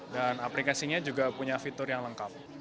dan aplikasinya juga punya fitur yang lengkap